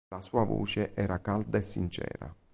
La sua voce era calda e sincera.